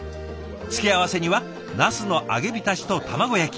付け合わせにはなすの揚げ浸しと卵焼き。